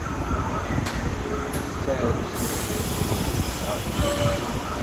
Tessers ticenfirin-is ɣef yimi-w.